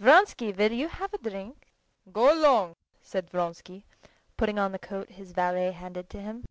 "Vronsky, will you have a drink?" "Go along," said Vronsky, putting on the coat his valet handed to him.